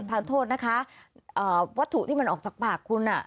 ทานโทษนะคะวัตถุที่มันออกจากปากคุณ